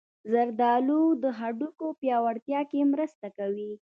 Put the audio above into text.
زردالو د هډوکو پیاوړتیا کې مرسته کوي.